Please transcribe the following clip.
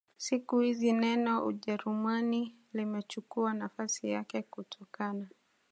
Siku hizi neno Ujerumani limechukua nafasi yake kutokana